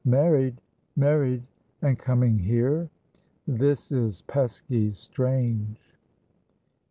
Married? married? and coming here? This is pesky strange!"